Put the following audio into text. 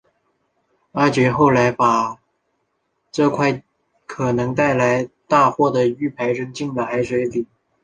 阿杰后来把这块可能带来大祸的玉牌扔进了海水里。